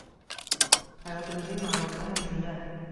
Hayotimizning ma’nosi ham shunda.